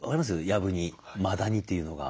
やぶにマダニというのが。